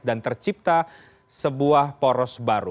dan tercipta sebuah poros baru